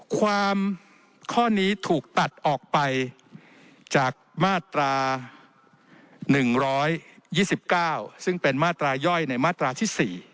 ข้อนี้ถูกตัดออกไปจากมาตรา๑๒๙ซึ่งเป็นมาตราย่อยในมาตราที่๔